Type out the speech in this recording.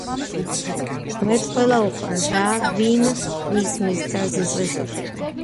ღმერთს ყველა უყვარს და ვინ ვის მისცა ზიზღის უფლება.